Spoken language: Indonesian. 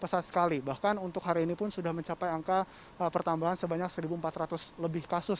pesat sekali bahkan untuk hari ini pun sudah mencapai angka pertambahan sebanyak satu empat ratus lebih kasus